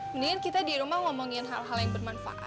mendingan kita dirumah ngomongin hal hal yang bermanfaat